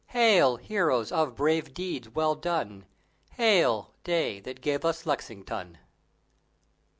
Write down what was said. Hail! heroes of brave deeds well done; Hail! day that gave us Lexington!